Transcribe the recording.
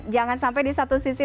jangan sampai di satu sisi